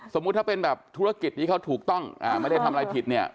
สมมุติถ้าเป็นแบบธุรกิจที่เขาถูกต้องไม่ได้ทำอะไรผิดเนี่ย